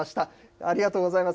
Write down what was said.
ありがとうございます。